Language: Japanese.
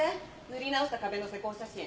塗り直した壁の施工写真。